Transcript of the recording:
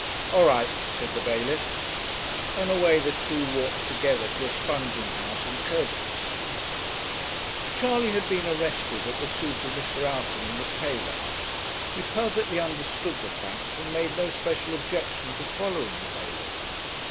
'All right,' said the bailiff. And away the two walked together to a sponging house in Cursitor Street. Charley had been arrested at the suit of Mr. Outerman, the tailor. He perfectly understood the fact, and made no special objection to following the bailiff.